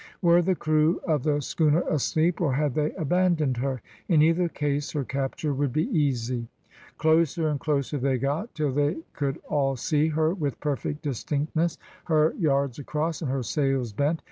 Were the crew of the schooner asleep, or had they abandoned her? In either case her capture would be easy. Closer and closer they got, till they could all see her with perfect distinctness, her yards across, and her sails bent.